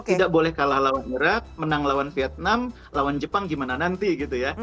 tidak boleh kalah lawan irak menang lawan vietnam lawan jepang gimana nanti gitu ya